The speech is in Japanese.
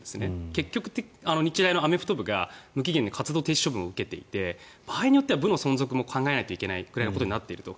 結局、日大のアメフト部が無期限活動停止処分を受けていて場合によっては部の存続を考えないといけないぐらいのことになっていると。